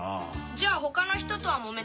じゃあ他の人とはもめたの？